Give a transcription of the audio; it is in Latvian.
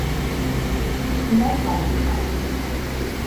Nezvani viņai.